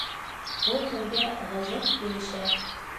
Ул һеҙгә ғәжәп килешә